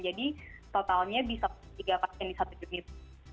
jadi totalnya bisa tiga pasien di satu unit